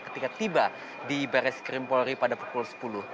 ketika tiba di baris krimpori pada pukul sepuluh